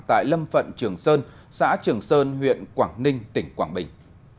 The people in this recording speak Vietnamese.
tại lâm phận trường sơn xã trường sơn huyện quảng ninh tỉnh quảng bình